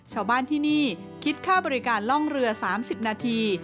ชาวบ้านที่นี่คิดค่าบริการล่องเรือ๓๐นาที